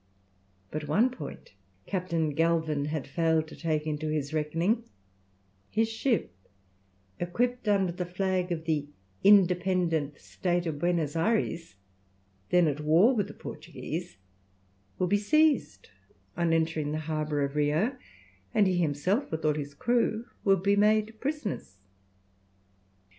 But one point Captain Galvin had failed to take into his reckoning, his ship, equipped under the flag of the Independent State of Buenos Ayres, then at war with the Portuguese, would be seized on entering the harbour of Rio, and he himself with all his crew would be made prisoners.